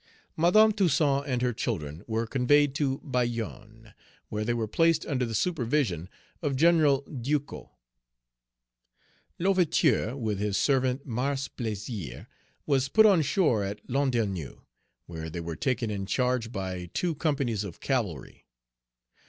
Madame Toussaint and her children were conveyed to Bayonne, where they were placed under the supervision of General Ducos. L'Ouverture, with his servant, Mars Plaisir, was put on shore at Landerneau, where they were taken in charge by two companies of cavalry.